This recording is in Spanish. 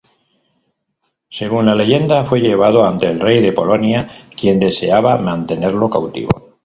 Según la leyenda, fue llevado ante el Rey de Polonia, quien deseaba mantenerlo cautivo.